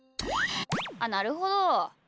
あっなるほど。